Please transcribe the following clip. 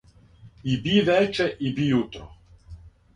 И би вече и би јутро